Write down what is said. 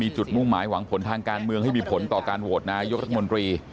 จุดมุ่งหมายหวังผลทางการเมืองให้มีผลต่อการโหวตนายกรัฐมนตรี